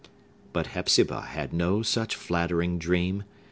But Hepzibah had no such flattering dream.